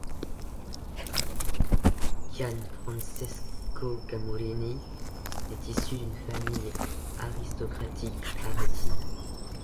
Gian Francesco Gamurrini est issu d'une famille aristocratique aretine.